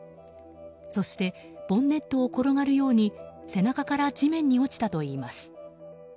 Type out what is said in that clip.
そして、ボンネットを転がるように背中から地面に落ちたといいます。